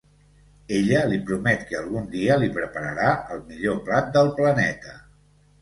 Ella li promet que algun dia li prepararà el millor plat del planeta.